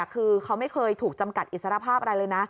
คือเขาไม่เคยถูกจำกัดอิสรภาพอะไรเลยนะ